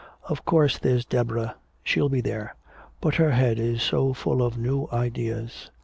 Of course there's Deborah, she'll be there. But her head is so full of new ideas.